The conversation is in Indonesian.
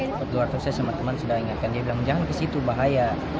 lompat ke luar terus saya sama teman sudah ingatkan dia bilang jangan ke situ bahaya